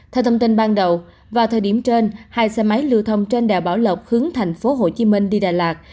theo thông tin ban đầu vào thời điểm trên hai xe máy lưu thông trên đèo bảo lộc hướng thành phố hồ chí minh đi đà lạt